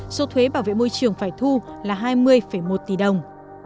số thuế bảo vệ môi trường phải thu là hai mươi một tỷ đồng